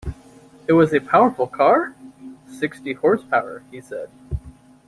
"It was a powerful car?" "Sixty horse-power," he said.